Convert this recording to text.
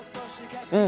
うん！